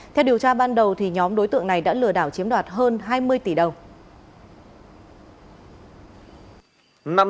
theo điều tra ban đầu nhóm đối tượng này đã lừa đảo chiếm đoạt hơn hai mươi tỷ đồng